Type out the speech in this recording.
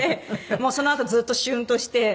もうそのあとずっとシュンとして。